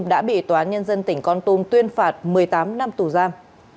đã bị tòa nhân dân tỉnh con tum tuyên phạt một mươi tám năm thủ giam